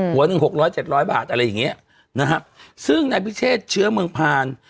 หนึ่งหกร้อยเจ็ดร้อยบาทอะไรอย่างเงี้ยนะฮะซึ่งนายพิเชษเชื้อเมืองพาน